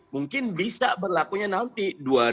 mungkin bisa berlakunya nanti